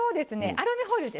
アルミホイルね